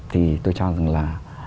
thì tôi cho rằng là